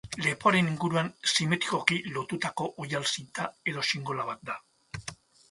Lepoaren inguruan simetrikoki lotutako oihal zinta edo xingola bat da.